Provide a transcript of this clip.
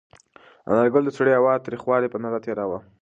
انارګل د سړې هوا تریخوالی په نره تېراوه.